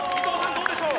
どうでしょう？